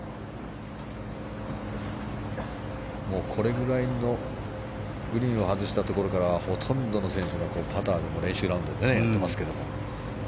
これぐらいのグリーンを外したところからほとんどの選手がパターでの練習ラウンドでやっていますけれども。